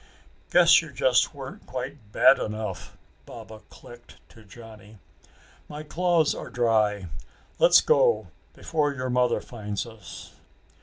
"Guess you just weren't quite bad enough!" Baba clicked to Johnny. "My claws are dry. Let's go before your mother finds us."